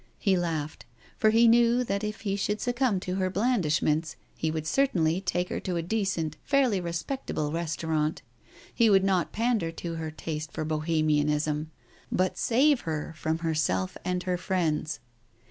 He laughed. For he knew that if he should succumb to her blandishments, he would certainly take her to a decent fairly respectable restaurant : he would not pander to her taste for Bohemianism, but save her from herself and her friends.